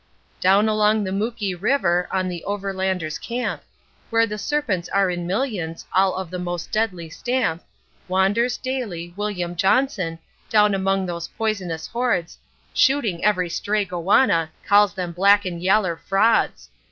..... Down along the Mooki River, on the overlanders' camp, Where the serpents are in millions, all of the most deadly stamp, Wanders, daily, William Johnson, down among those poisonous hordes, Shooting every stray goanna, calls them 'black and yaller frauds'.